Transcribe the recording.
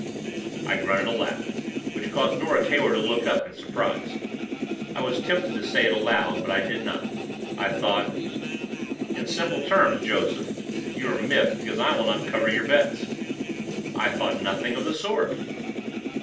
I grunted aloud which caused Nora Taylor to look up in surprise. I was tempted to say it aloud but I did not. I thought: "In simple terms, Joseph, you are miffed because I will not cover your bets." "I thought nothing of the sort."